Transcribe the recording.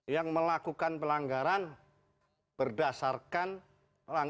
yang melakukan pelanggaran berdasarkan